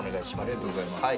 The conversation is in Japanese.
ありがとうございます。